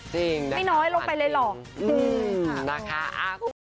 จริงนะคะมันจริงจริงนะคะอ้าว